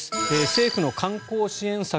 政府の観光支援策